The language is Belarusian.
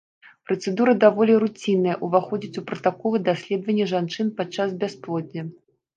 Працэдура даволі руцінная, уваходзіць у пратаколы даследавання жанчын падчас бясплоддзя.